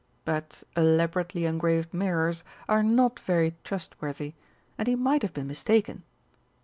But elaborately engraved mirrors are not very trustworthy, and he might have been mistaken.